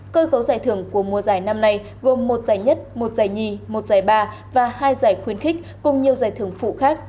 cơ cấu giải thưởng của mùa giải năm nay gồm một giải nhất một giải nhì một giải ba và hai giải khuyến khích cùng nhiều giải thưởng phụ khác